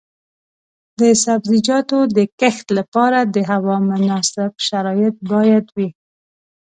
د سبزیجاتو د کښت لپاره د هوا مناسب شرایط باید وي.